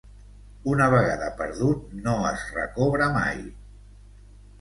Una vegada perdut no es recobra mai.